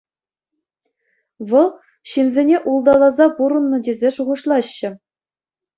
Вӑл ҫынсене улталаса пурӑннӑ тесе шухӑшлаҫҫӗ.